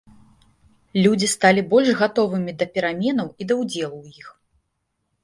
Людзі сталі больш гатовымі да пераменаў і да ўдзелу ў іх.